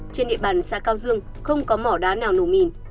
trên địa bàn xã cao dương không có mỏ đá nào nổ mìn